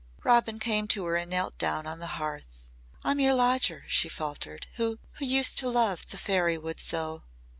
Robin came to her and knelt down on the hearth. "I'm your lodger," she faltered, "who who used to love the fairy wood so."